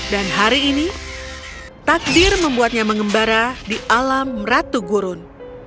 dan hari ini takdir membuatnya mengembara di alam ratu gurun